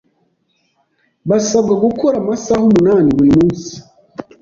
Basabwa gukora amasaha umunani buri munsi.